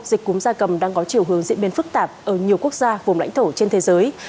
dịch cúm gia cầm đang có chiều hướng diễn biến phức tạp ở nhiều quốc gia vùng lãnh thổ trên thế giới